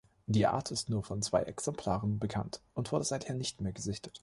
Die Art ist nur von zwei Exemplaren bekannt und wurde seither nicht mehr gesichtet.